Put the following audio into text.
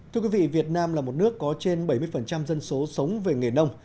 thưa quý vị việt nam là một nước có trên bảy mươi dân số sống về nghề nông